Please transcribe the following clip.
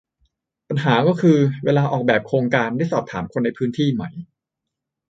ปัญหาก็คือ เวลาออกแบบโครงการได้สอบถามคนในพื้นที่ไหม